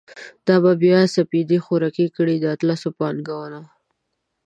دا به بیا سپیدی خوری کړی، د اطلسو پا لنگونه